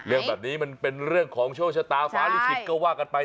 เรื่องแบบนี้มันเป็นเรื่องของโชคชะตาฟ้าลิขิตก็ว่ากันไป